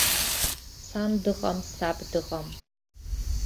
Сан дыҟам, саб дыҟам!